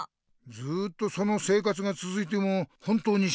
ずっとその生活がつづいても本当に幸せ？